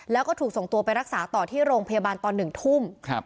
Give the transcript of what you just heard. แล้วก็ถูกส่งตัวไปรักษาต่อที่โรงพยาบาลตอน๑ทุ่ม